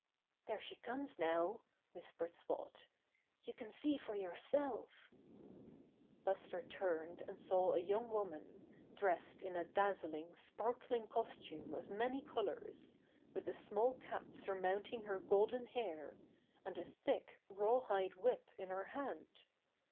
"There she comes now," whispered Spot. "You can see for yourself." Buster turned and saw a young woman, dressed in a dazzling, sparkling costume of many colors, with a small cap surmounting her golden hair, and a thick, rawhide whip in her hand.